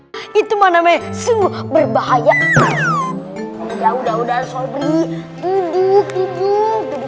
hai itu mana meh berbahaya udah udah sobrini tidur tidur tidur udah nggak usah kejar mereka